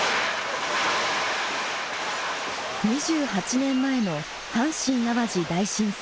２８年前の阪神・淡路大震災。